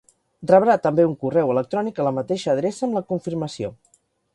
Rebrà també un correu electrònic a la mateixa adreça amb la confirmació.